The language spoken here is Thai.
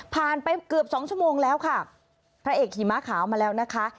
ไปเกือบสองชั่วโมงแล้วค่ะพระเอกขี่ม้าขาวมาแล้วนะคะ